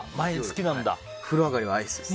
風呂上がりはアイスです。